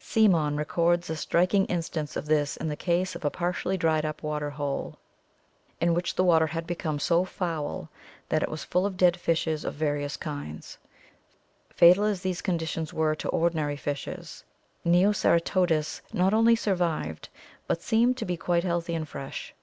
Semon records a striking instance of this in the case of a partially dried up water hole, in EMERGENCE OF TERRESTRIAL VERTEBRATES 483 which the water had become so foul that it was full of dead fishes of various kinds. Fatal as these conditions were to ordinary fishes, Neoceratodus not only survived, but seemed to be quite healthy and fresh.